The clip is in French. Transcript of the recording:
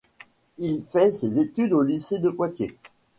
Il fait ses études au lycée de Poitiers.